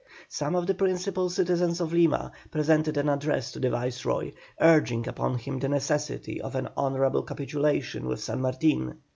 Some of the principal citizens of Lima presented an address to the Viceroy, urging upon him the necessity of an honourable capitulation with San Martin.